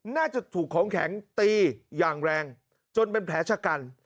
น่าจะถูกของแข็งตีอย่างแรงจนเป็นแผลชะกัน